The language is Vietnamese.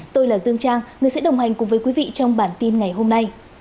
tôi là dương trang người sẽ đồng hành cùng với quý vị trong bản tin ngày hôm nay